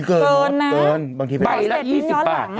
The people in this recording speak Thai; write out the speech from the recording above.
เกินนะบางทีเป็น๒๐บาท